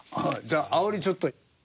じゃあ煽りちょっと。